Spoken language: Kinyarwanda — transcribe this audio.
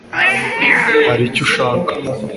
hari icyo ushaka